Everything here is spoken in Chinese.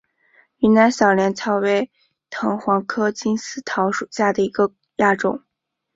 云南小连翘为藤黄科金丝桃属下的一个亚种。